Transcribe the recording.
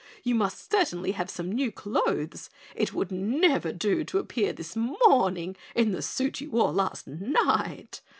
You must certainly have some new clothes. It would never do to appear this morning in the suit you wore last night.